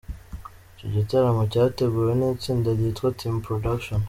Icyo gitaramo cyateguwe n’itsinda ryitwa Team Production.